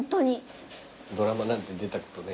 ドラマなんて出たことないくせにね。